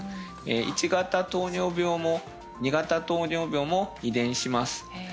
１型糖尿病も２型糖尿病も遺伝します